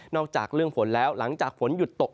จากเรื่องฝนแล้วหลังจากฝนหยุดตก